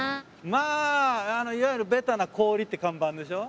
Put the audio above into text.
まあいわゆるベタな「氷」って看板でしょ？